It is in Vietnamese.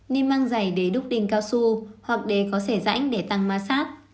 nên mang giày đế đúc đinh cao su hoặc đế có sẻ rãnh để tăng ma sát